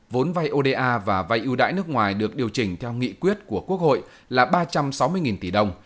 vốn vay oda và vay ưu đãi nước ngoài được điều chỉnh theo nghị quyết của quốc hội là ba trăm sáu mươi tỷ đồng